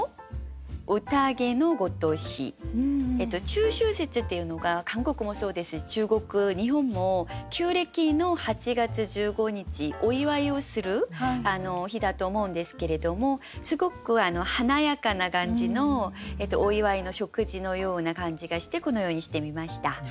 「中秋節」っていうのが韓国もそうですし中国日本も旧暦の８月１５日お祝いをする日だと思うんですけれどもすごく華やかな感じのお祝いの食事のような感じがしてこのようにしてみました。